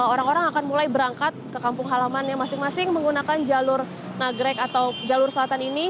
orang orang akan mulai berangkat ke kampung halaman yang masing masing menggunakan jalur nagrek atau jalur selatan ini